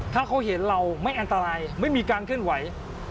ถ้าเขาเห็นเราไม่อันตรายไม่มีการเคลื่อนไหว